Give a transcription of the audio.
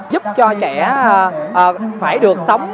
giúp cho kẻ phải được sống